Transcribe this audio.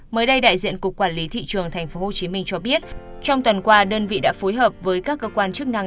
mới đây đại diện cục quản lý thị trường tp hcm cho biết trong tuần qua đơn vị đã phối hợp với các cơ quan chức năng